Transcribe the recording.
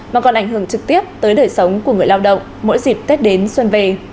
mà còn ảnh hưởng trực tiếp tới đời sống của người lao động mỗi dịp tết đến xuân về